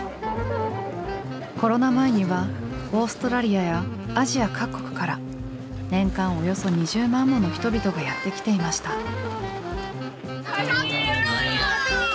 コロナ前にはオーストラリアやアジア各国から年間およそ２０万もの人々がやって来ていました。